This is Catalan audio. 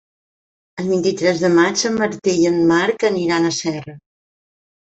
El vint-i-tres de maig en Martí i en Marc aniran a Serra.